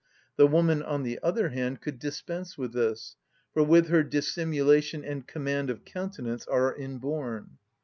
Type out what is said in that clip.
The woman, on the other hand, could dispense with this; for with her dissimulation and command of countenance are inborn.